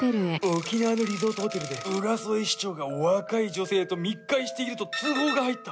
沖縄のリゾートホテルで、浦添市長が若い女性と密会していると通報が入った。